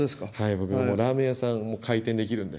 僕ラーメン屋さんも開店できるんで。